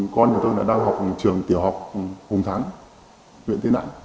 con của tôi đã đang học trường tiểu học hùng tháng huyện tây nẵng